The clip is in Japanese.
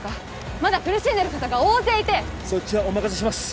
まだ苦しんでる方が大勢いてそっちはお任せします